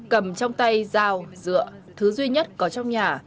cầm trong tay dao dựa thứ duy nhất có trong nhà